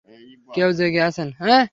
কেউ জেগে আছেন?